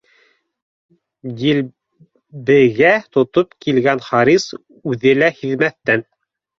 Дилбегә тотоп килгән Харис, үҙе лә һиҙмәҫтән: